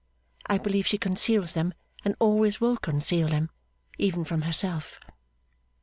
I believe she conceals them, and always will conceal them, even from herself.